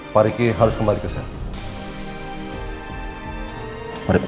pariki harus kembali ke sana